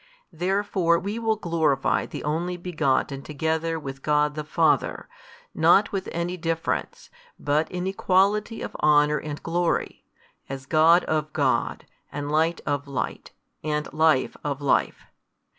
Therefore we will glorify the Only Begotten together with God the Father, not with any difference, but in equality of honour and glory, as God of God, and Light of Light, and Life of Life.